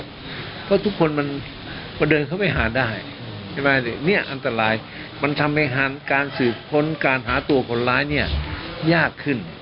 เพราะทุกคนมันพอเดินเข้าไปหาได้ใช่ไหมเนี่ยอันตรายมันทำให้การสืบค้นการหาตัวคนร้ายเนี่ยยากขึ้น